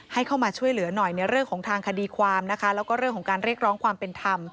ให้เข้ามาช่วยเหลือหน่อยในเรื่องของทางคดีความนะคะแล้วก็เรื่องของการเรียกร้องความเป็นธรรม